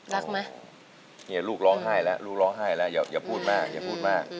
รักไหมเนี่ยลูกร้องไห้แล้วลูกร้องไห้แล้วอย่าพูดมากอย่าพูดมาก